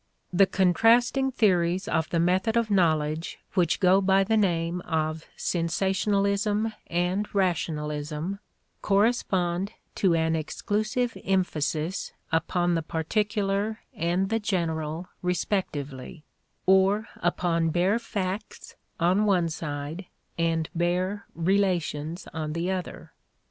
The contrasting theories of the method of knowledge which go by the name of sensationalism and rationalism correspond to an exclusive emphasis upon the particular and the general respectively or upon bare facts on one side and bare relations on the other.